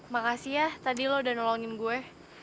makasih ya tadi lo udah nolongin gue